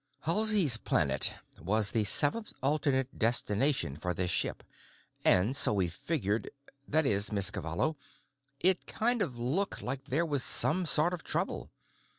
"Halsey's Planet was the seventh alternate destination for this ship, and so we figured——That is, Miss Cavallo, it kind of looked like there was some sort of trouble.